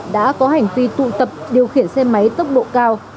đã có hành vi tụ tập điều khiển xe máy tốc độ cao